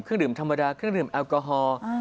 ดื่มธรรมดาเครื่องดื่มแอลกอฮอล์